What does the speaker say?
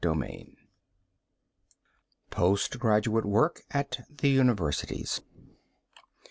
V POST GRADUATE WORK AT THE UNIVERSITIES.